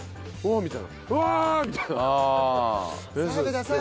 みたいな。